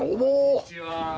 こんにちは。